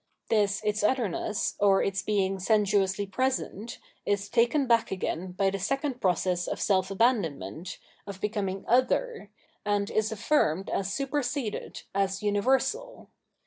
This its otherness, or its being sensuously present, is taken back again by the second process of self abandonment, of becoming " other,'' and is affirmed as superseded, as universal.